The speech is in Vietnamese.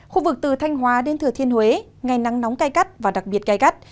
khu vực từ thanh hóa đến thừa thiên huế ngày nắng nóng cay cắt và đặc biệt cay cắt